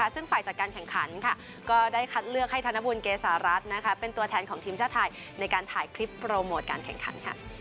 ซึ่งฝ่ายจัดการแข่งขันก็ได้คัดเลือกให้ธนบุญเกษารัฐเป็นตัวแทนของทีมชาติไทยในการถ่ายคลิปโปรโมทการแข่งขัน